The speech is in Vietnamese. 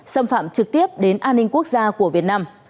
xâm phạm trực tiếp đến an ninh quốc gia của việt nam